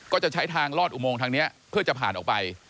ก็จะใช้ทางลอดอุโมงทางนี้เพื่อจะผ่านออกไป